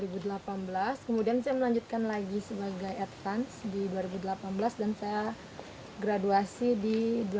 kemudian saya melanjutkan lagi sebagai advance di dua ribu delapan belas dan saya graduasi di dua ribu delapan belas